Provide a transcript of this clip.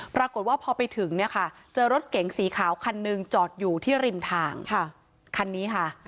ปรากฏว่าพอไปถึงเนี่ยค่ะเจอรถเก๋งสีขาวคันหนึ่งจอดอยู่ที่ริมทางคันนี้ค่ะ